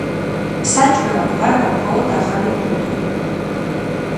საჭმელად ვარგა მხოლოდ ახალი ქუდი.